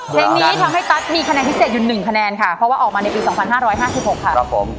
เพลงนี้ทำให้ตั๊ดมีคะแนนพิเศษอยู่๑คะแนนค่ะเพราะว่าออกมาในปี๒๕๕๖ค่ะครับผม